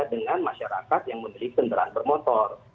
dengan masyarakat yang memiliki senderan bermotor